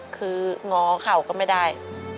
คืองอเข่าก็ไม่ได้